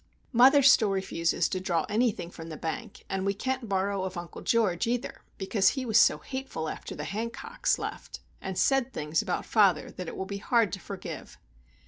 Mother still refuses to draw anything from the bank, and we can't borrow of Uncle George, either; because he was so hateful after the Hancocks left, and said things about father that it will be hard to forgive.